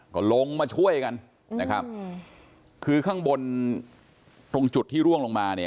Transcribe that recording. ก็ลงมาช่วยกันนะครับคือข้างบนตรงจุดที่ร่วงลงมาเนี่ย